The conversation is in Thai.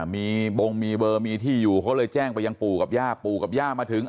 มีบงมีเบอร์มีที่อยู่เขาเลยแจ้งไปยังปู่กับย่าปู่กับย่ามาถึง